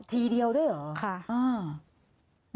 ทีเดียวด้วยเหรออ่าค่ะ